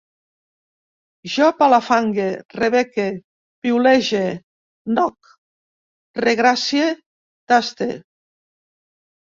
Jo palafangue, rebeque, piulege, noc, regracie, taste